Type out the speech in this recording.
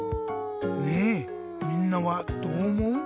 ねえみんなはどうおもう？